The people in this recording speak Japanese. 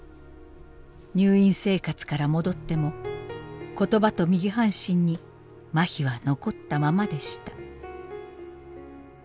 入院生活から戻っても言葉と右半身にまひは残ったままでした。